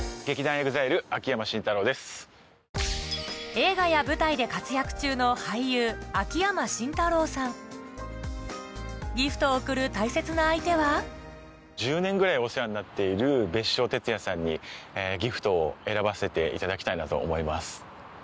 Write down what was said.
映画や舞台で活躍中のギフトを贈る大切な相手は１０年ぐらいお世話になっている別所哲也さんにギフトを選ばせていただきたいなと思います。